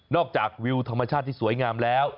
จากวิวธรรมชาติที่สวยงามแล้ว